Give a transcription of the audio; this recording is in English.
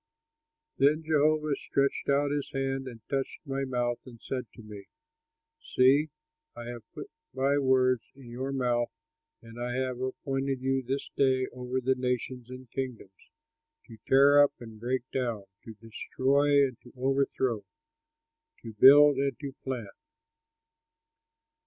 Then Jehovah stretched out his hand and touched my mouth and said to me: "See. I have put my words in your mouth, and I have appointed you this day over the nations and kingdoms, to tear up and break down, to destroy and to overthrow, to build and to plant."